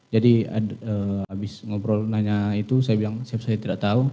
habis ngobrol nanya itu saya bilang saya tidak tahu